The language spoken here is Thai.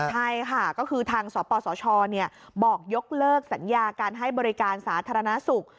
ใช่ค่ะก็คือทางสปสชบอกยกเลิกสัญญาการให้บริการสาธารณสุข